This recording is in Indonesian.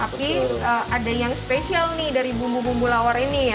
tapi ada yang spesial nih dari bumbu bumbu lawar ini ya